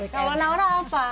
kalau naura apa